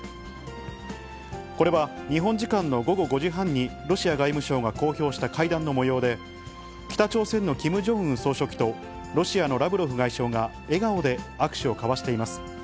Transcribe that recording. これは、日本時間の午後５時半に、ロシア外務省が公表した会談のもようで、北朝鮮のキム・ジョンウン総書記とロシアのラブロフ外相が笑顔で握手を交わしています。